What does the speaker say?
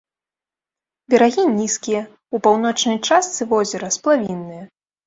Берагі нізкія, у паўночнай частцы возера сплавінныя.